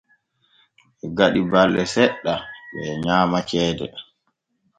Ɓe gaɗi balɗe seɗɗa ɓee nyaama ceede.